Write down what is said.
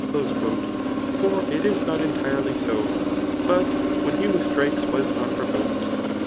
'* For it is not entirely so, but when he who strikes was not prdvoked.